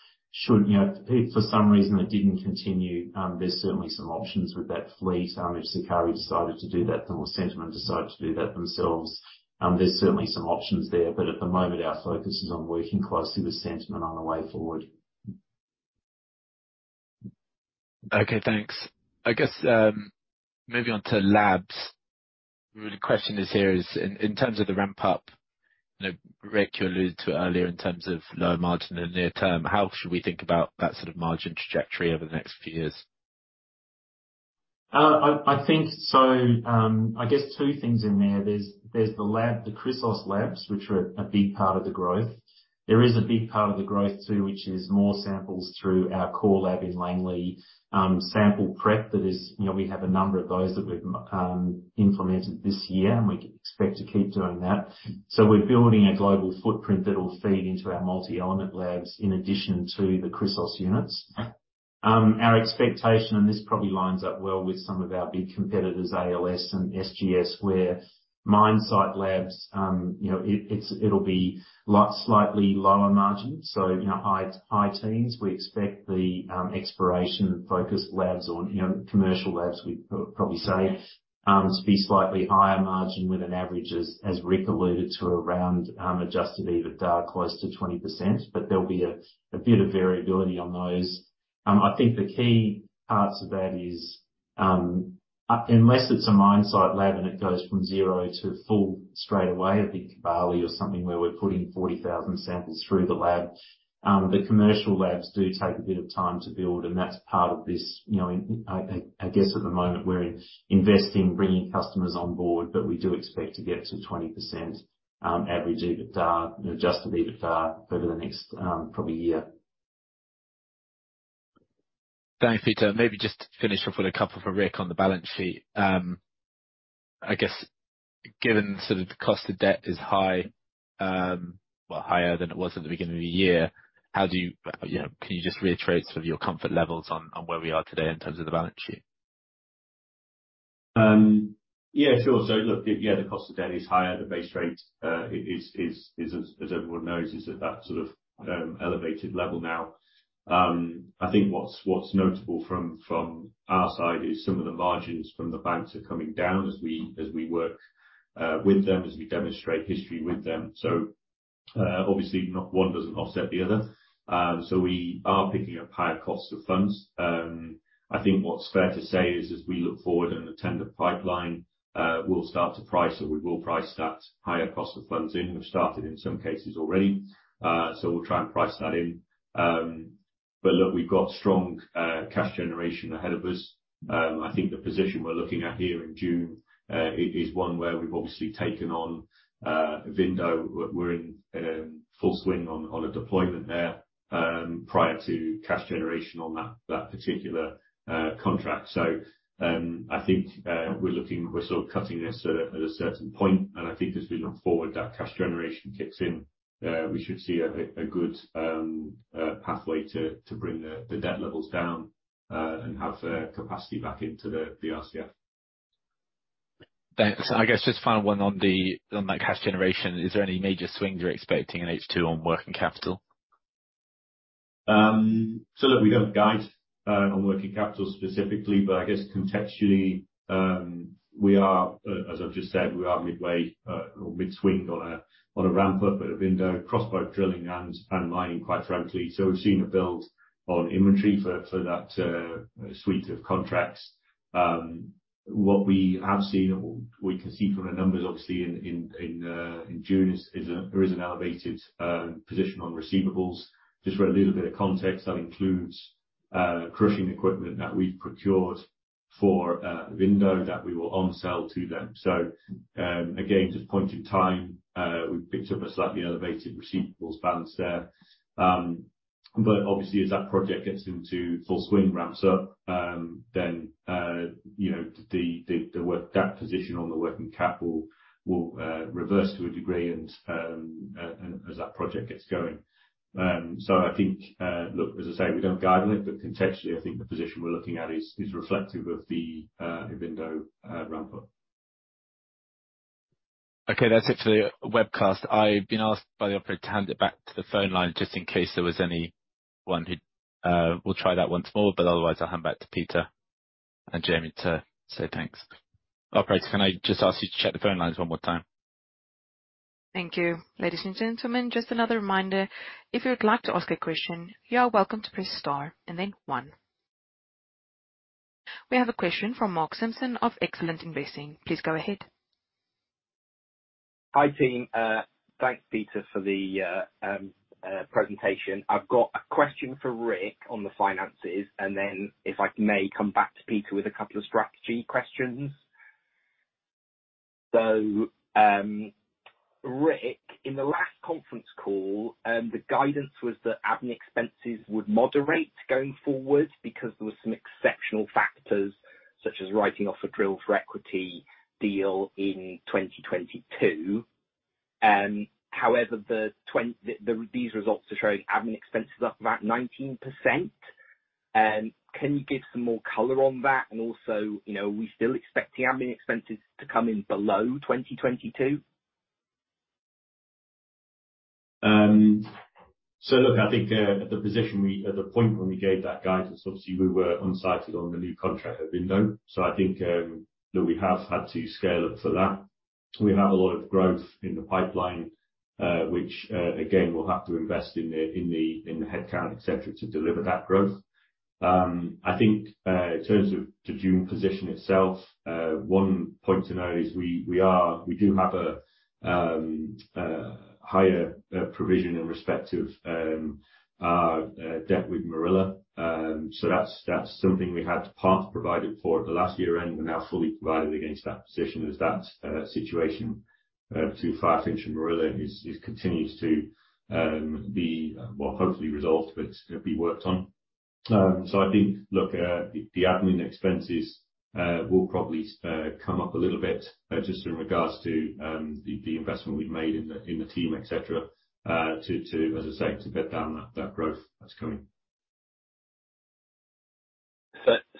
You know, if for some reason it didn't continue, there's certainly some options with that fleet. If Sukari decided to do that or Centamin decided to do that themselves, there's certainly some options there. At the moment, our focus is on working closely with Centamin on a way forward. Okay, thanks. I guess moving on to labs, the question is here, in terms of the ramp up, you know, Rick, you alluded to it earlier in terms of lower margin in the near term, how should we think about that sort of margin trajectory over the next few years? I, I think so, I guess two things in there. There's, there's the lab, the Chrysos labs, which are a big part of the growth. There is a big part of the growth, too, which is more samples through our core lab in Langley. Sample prep, that is, you know, we have a number of those that we've implemented this year, and we expect to keep doing that. We're building a global footprint that will feed into our multi-element labs in addition to the Chrysos units. Our expectation, this probably lines up well with some of our big competitors, ALS and SGS, where mine site labs, you know, it's, it'll be slightly lower margin, so, you know, high, high teens. We expect the exploration-focused labs or, you know, commercial labs, we'd probably say, to be slightly higher margin with an average as, as Rick alluded to, around adjusted EBITDA close to 20%. There'll be a bit of variability on those. I think the key parts of that is, unless it's a mine site lab and it goes from zero to full straight away, a big Kibali or something, where we're putting 40,000 samples through the lab, the commercial labs do take a bit of time to build, and that's part of this, you know, I, I, I guess at the moment, we're investing, bringing customers on board, but we do expect to get to 20% average EBITDA, adjusted EBITDA, over the next probably year. Thanks, Peter. Maybe just to finish off with a couple for Rick on the balance sheet. I guess, given sort of the cost of debt is high, well, higher than it was at the beginning of the year, you know, can you just reiterate sort of your comfort levels on, on where we are today in terms of the balance sheet? Yeah, sure. Look, yeah, the cost of debt is higher. The base rate is, is, is, as, as everyone knows, is at that sort of elevated level now. I think what's, what's notable from, from our side is some of the margins from the banks are coming down as we, as we work with them, as we demonstrate history with them. Obviously not-- one doesn't offset the other. We are picking up higher costs of funds. I think what's fair to say is, as we look forward and attend the pipeline, we'll start to price or we will price that higher cost of funds in. We've started in some cases already. We'll try and price that in. Look, we've got strong cash generation ahead of us. I think the position we're looking at here in June is one where we've obviously taken on Ivindo. We're in full swing on a deployment there prior to cash generation on that particular contract. I think we're sort of cutting this at a certain point, and I think as we look forward, that cash generation kicks in. We should see a good pathway to bring the debt levels down and have the capacity back into the RCF. Thanks. I guess just final one on the, on that cash generation. Is there any major swings you're expecting in H2 on working capital? Look, we don't guide on working capital specifically, but I guess contextually, we are, as I've just said, we are midway or mid-swing on a ramp-up at Ivindo, cross-bore drilling and mining, quite frankly. We've seen a build on inventory for that suite of contracts. What we have seen, or we can see from the numbers, obviously in June, is a, there is an elevated position on receivables. Just for a little bit of context, that includes crushing equipment that we've procured for Ivindo, that we will on sell to them. Again, just point in time, we've picked up a slightly elevated receivables balance there. Obviously, as that project gets into full swing, ramps up, then, you know, that position on the working cap will, will, reverse to a degree, and, and as that project gets going. I think, look, as I say, we don't guide on it, but contextually, I think the position we're looking at is, is reflective of the, Ivindo, ramp-up. Okay, that's it for the webcast. I've been asked by the operator to hand it back to the phone line, just in case there was anyone who will try that once more. Otherwise, I'll hand back to Peter and Jamie to say thanks. Operator, can I just ask you to check the phone lines one more time? Thank you. Ladies and gentlemen, just another reminder, if you would like to ask a question, you are welcome to press star and then one. We have a question from Mark Simpson of Excellent Investing. Please go ahead. Hi, team. Thanks, Peter, for the presentation. I've got a question for Rick on the finances, and then, if I may, come back to Peter with a couple of strategy questions. Rick, in the last conference call, the guidance was that admin expenses would moderate going forward because there were some exceptional factors, such as writing off a drill for equity deal in 2022. However, these results are showing admin expenses up about 19%. Can you give some more color on that? Also, you know, are we still expecting admin expenses to come in below 2022? Look, I think, the position. At the point when we gave that guidance, obviously, we were unsighted on the new contract at Ivindo. I think, that we have had to scale up for that. We have a lot of growth in the pipeline, which, again, we'll have to invest in the, in the, in the headcount, et cetera, to deliver that growth. I think, in terms of the June position itself, point to note is we, we do have a higher provision in respect of our debt with Morila. That's, that's something we had to part provide it for at the last year end, and now fully provided against that position as that situation to Firefinch and Morila is, is continues to be, well, hopefully resolved, but be worked on. I think, look, the admin expenses will probably come up a little bit just in regards to the, the investment we've made in the, in the team, et cetera, to, to, as I say, to bed down that, that growth that's coming.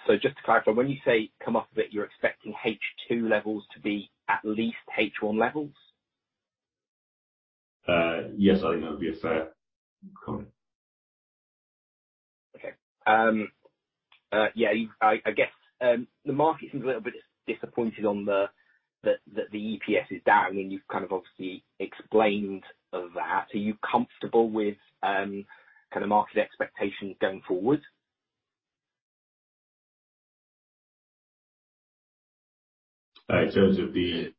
So just to clarify, when you say come up a bit, you're expecting H2 levels to be at least H1 levels? yes, I think that would be a fair comment. Okay. Yeah, I, I guess, the market seems a little bit disappointed that the EPS is down, and you've kind of obviously explained that. Are you comfortable with, kind of market expectations going forward? In terms of the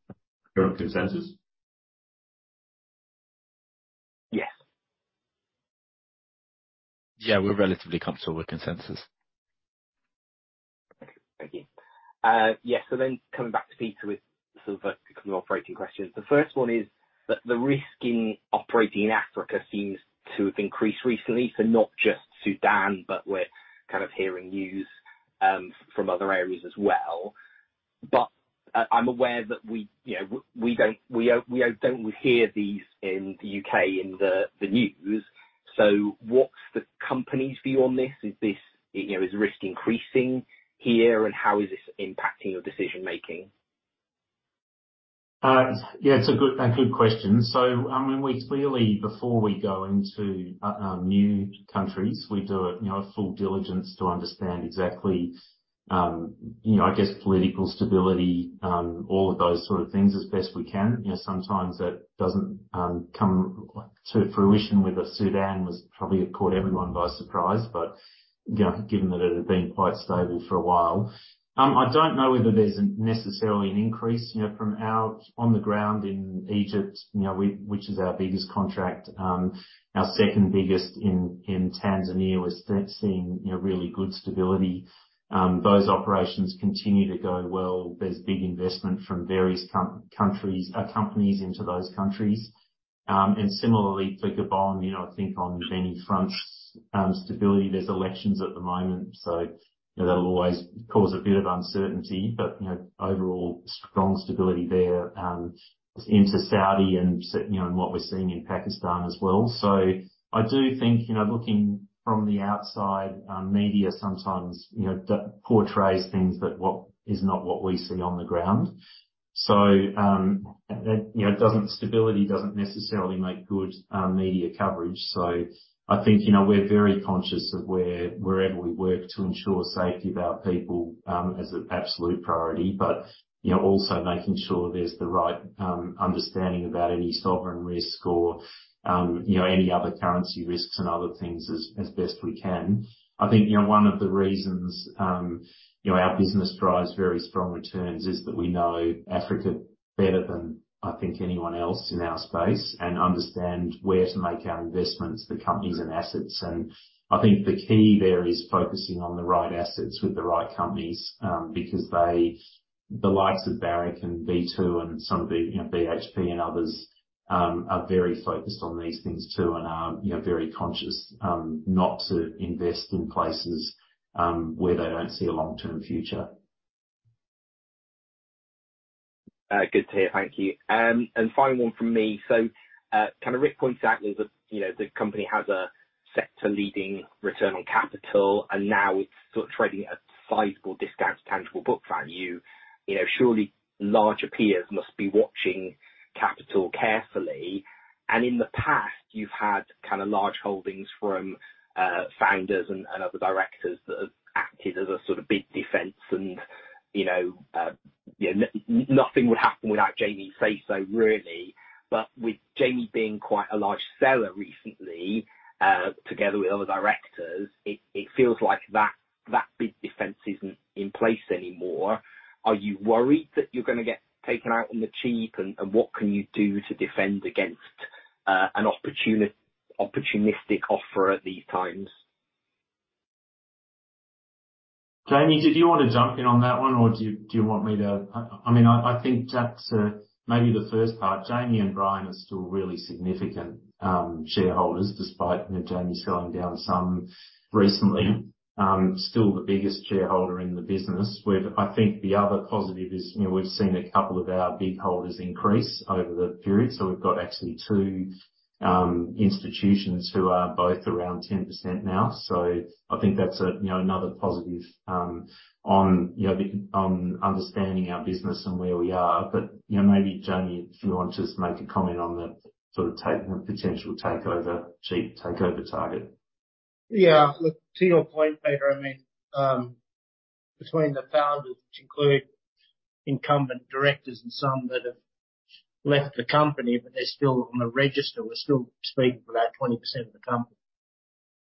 current consensus? Yes. Yeah, we're relatively comfortable with consensus. Thank you. Yes, then coming back to Peter with sort of a couple of operating questions. The first one is that the risk in operating in Africa seems to have increased recently. Not just Sudan, but we're kind of hearing news from other areas as well. I, I'm aware that we, you know, we don't, we don't, we don't hear these in the U.K. in the, the news. What's the company's view on this? Is this, you know, is risk increasing here, and how is this impacting your decision making? Yeah, it's a good, a good question. I mean, we clearly, before we go into new countries, we do a, you know, a full diligence to understand exactly, you know, I guess, political stability, all of those sort of things, as best we can. You know, sometimes that doesn't come to fruition, whether Sudan was probably caught everyone by surprise, you know, given that it had been quite stable for a while. I don't know whether there's necessarily an increase, you know, from our on the ground in Egypt, you know, which is our biggest contract. Our second biggest in, in Tanzania, we're seeing, you know, really good stability. Those operations continue to go well. There's big investment from various countries, companies into those countries. Similarly to Gabon, you know, I think on many fronts, stability. There's elections at the moment, so that'll always cause a bit of uncertainty, but, you know, overall strong stability there, into Saudi and you know, and what we're seeing in Pakistan as well. I do think, you know, looking from the outside, media sometimes, you know, portrays things that what, is not what we see on the ground. You know, stability doesn't necessarily make good media coverage. I think, you know, we're very conscious of wherever we work to ensure safety of our people, as an absolute priority, but, you know, also making sure there's the right, understanding about any sovereign risk or, you know, any other currency risks and other things as, as best we can. I think, you know, one of the reasons, you know, our business drives very strong returns is that we know Africa better than I think anyone else in our space, and understand where to make our investments for companies and assets. I think the key there is focusing on the right assets with the right companies, because they, the likes of Barrick and B2Gold and some of the, you know, BHP and others, are very focused on these things too, and are, you know, very conscious, not to invest in places, where they don't see a long-term future. Good to hear. Thank you. Final one from me. Kind of Rick points out that, you know, the company has a sector-leading return on capital, and now it's sort of trading at a sizable discount to tangible book value. You know, surely larger peers must be watching Capital carefully. In the past, you've had kind of large holdings from founders and other directors that have acted as a sort of big defense and, you know, yeah, nothing would happen without Jamie's say so, really. With Jamie being quite a large seller recently, together with other directors, it, it feels like that, that big defense isn't in place anymore. Are you worried that you're gonna get taken out on the cheap? What can you do to defend against an opportunistic offer at these times? Jamie, did you want to jump in on that one, or do you, do you want me to? I, I, I mean, I think that's maybe the first part. Jamie and Brian are still really significant shareholders, despite, you know, Jamie selling down some recently. Still the biggest shareholder in the business. I think the other positive is, you know, we've seen a couple of our big holders increase over the period. we've got actually two institutions who are both around 10% now. I think that's a, you know, another positive on, you know, on understanding our business and where we are. you know, maybe, Jamie, if you want to just make a comment on the sort of potential takeover, cheap takeover target. Yeah. Look, to your point, Peter, I mean, between the founders, which include incumbent directors and some that have left the company, but they're still on the register, we're still speaking about 20% of the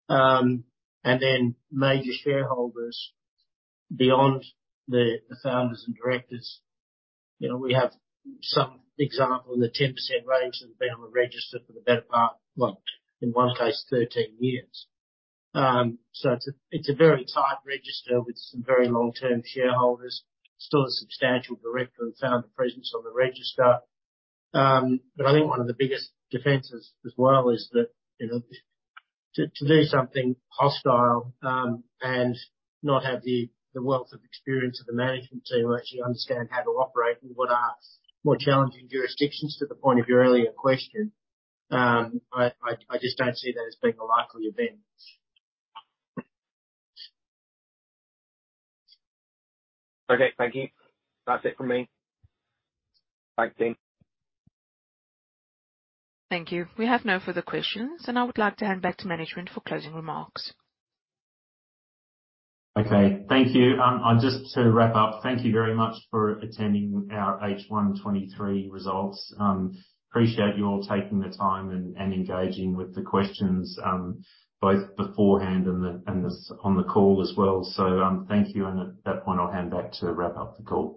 company. Then major shareholders beyond the founders and directors, you know, we have some example in the 10% range that have been on the register for the better part, like, in one case, 13 years. So it's a, it's a very tight register with some very long-term shareholders. Still a substantial director and founder presence on the register. I think one of the biggest defenses as well is that, you know, to, to do something hostile, and not have the, the wealth of experience of the management team who actually understand how to operate in what are more challenging jurisdictions, to the point of your earlier question, I, I, I just don't see that as being a likely event. Okay. Thank you. That's it from me. Bye, team. Thank you. We have no further questions, and I would like to hand back to management for closing remarks. Okay. Thank you. I'll just to wrap up, thank you very much for attending our H1 2023 results. Appreciate you all taking the time and, and engaging with the questions, both beforehand and the, and the, on the call as well. Thank you. At that point, I'll hand back to wrap up the call.